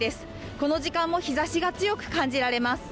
この時間も日ざしが強く感じられます。